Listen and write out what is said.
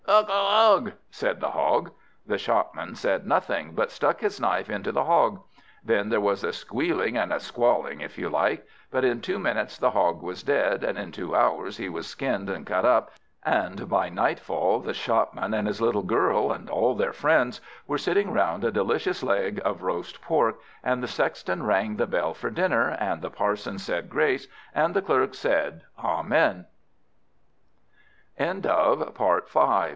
"Ugh! ugh! ugh!" said the Hog. The Shopman said nothing, but stuck his knife into the Hog. Then there was a squealing and squalling, if you like! But in two minutes the Hog was dead, and in two hours he was skinned and cut up, and by nightfall, the Shopman and his little girl, and all their friends, were sitting round a delicious leg of roast pork, and the Sexton rang the bell for dinner, and the Parson said grace, and the Clerk said A